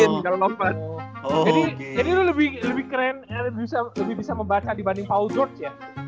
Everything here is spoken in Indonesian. jadi lu lebih keren lebih bisa membaca dibanding paul george ya